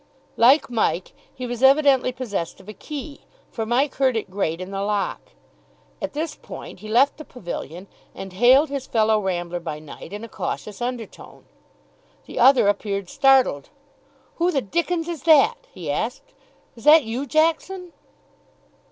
Like Mike, he was evidently possessed of a key, for Mike heard it grate in the lock. At this point he left the pavilion and hailed his fellow rambler by night in a cautious undertone. The other appeared startled. "Who the dickens is that?" he asked. "Is that you, Jackson?"